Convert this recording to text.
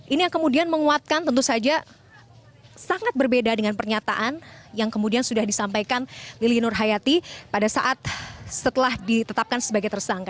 ini yang kemudian menguatkan tentu saja sangat berbeda dengan pernyataan yang kemudian sudah disampaikan lili nur hayati pada saat setelah ditetapkan sebagai tersangka